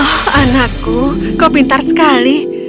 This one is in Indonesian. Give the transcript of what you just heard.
oh anakku kau pintar sekali